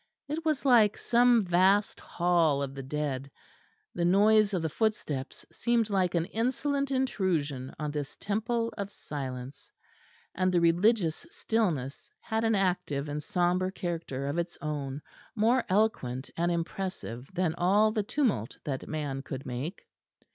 It was like some vast hall of the dead; the noise of the footsteps seemed like an insolent intrusion on this temple of silence; and the religious stillness had an active and sombre character of its own more eloquent and impressive than all the tumult that man could make.